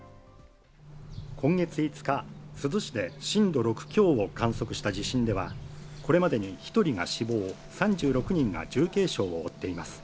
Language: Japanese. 今月５日、珠洲市で震度６強を観測した地震では、これまでに１人が死亡、３６人が重軽傷を負っています。